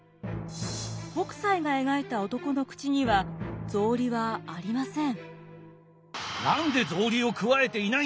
北斎が描いた男の口には草履はありません。